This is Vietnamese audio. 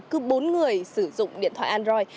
cứ bốn người sử dụng điện thoại android